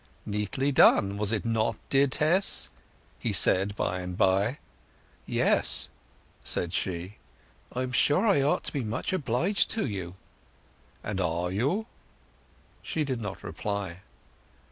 "Neatly done, was it not, dear Tess?" he said by and by. "Yes!" said she. "I am sure I ought to be much obliged to you." "And are you?" She did not reply.